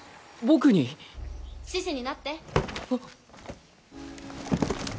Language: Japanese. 獅子になって。